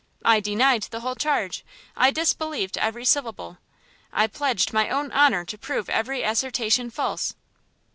I denied the whole charge! I disbelieved every syllable! I pledged my own honour to prove every assertion false!"